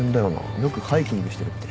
よくハイキングしてるって。